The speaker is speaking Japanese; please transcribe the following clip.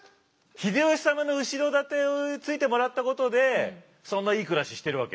秀吉様の後ろ盾をついてもらったことでそんないい暮らししてるわけ？